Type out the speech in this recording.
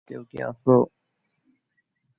কেউ কি আছো?